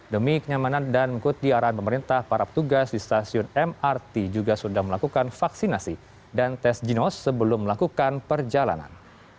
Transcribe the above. demi kenyamanan dan mengikuti arahan pemerintah para petugas di stasiun mrt juga sudah melakukan vaksinasi dan tes ginos sebelum melakukan perjalanan